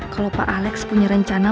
kalau pak alex punya rencana